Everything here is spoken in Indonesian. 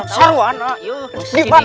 seru an ya